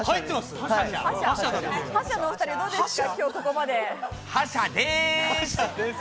覇者のお２人どうですか？